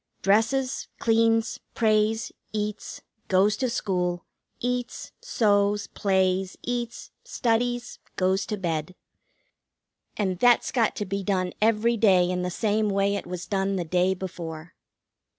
Dresses, cleans, prays, eats, goes to school, eats, sews, plays, eats, studies, goes to bed. And that's got to be done every day in the same way it was done the day before.